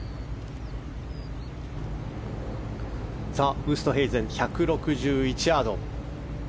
さあ、ウーストヘイゼン１６１ヤード。